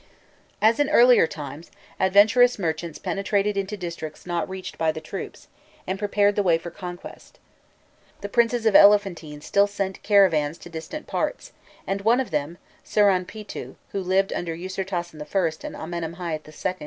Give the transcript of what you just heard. As in earlier times, adventurous merchants penetrated into districts not reached by the troops, and prepared the way for conquest. The princes of Elephantine still sent caravans to distant parts, and one of them, Siranpîtû, who lived under Ûsirtasen I. and Amenemhâit II.